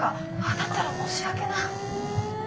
だったら申し訳ない。